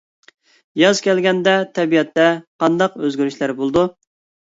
ياز كەلگەندە تەبىئەتتە قانداق ئۆزگىرىشلەر بولىدۇ؟